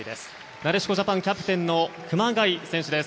なでしこジャパンキャプテンの熊谷選手です。